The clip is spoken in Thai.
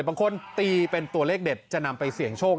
บางคนตีเป็นตัวเลขเด็ดจะนำไปเสี่ยงโชค